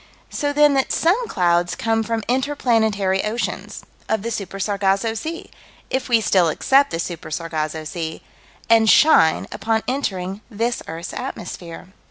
So then that some clouds come from inter planetary oceans of the Super Sargasso Sea if we still accept the Super Sargasso Sea and shine, upon entering this earth's atmosphere.